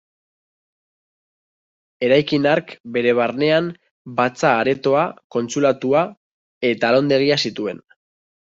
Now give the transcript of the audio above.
Eraikin hark bere barnean batza-aretoa, kontsulatua eta alondegia zituen.